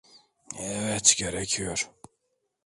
Evet, gerekiyor.